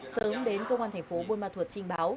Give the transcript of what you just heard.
sớm đến công an tp bun ma thuột trinh báo